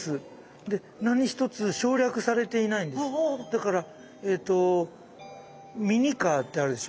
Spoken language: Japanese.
だからえっとミニカーってあるでしょ。